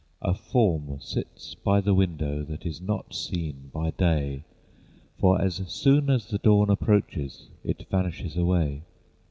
A form sits by the window, That is not seen by day, For as soon as the dawn approaches It vanishes away.